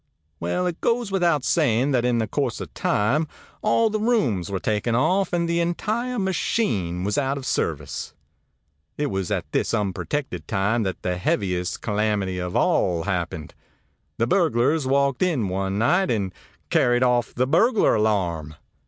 Well, it goes without saying that in the course of time all the rooms were taken off, and the entire machine was out of service. ãIt was at this unprotected time that the heaviest calamity of all happened. The burglars walked in one night and carried off the burglar alarm!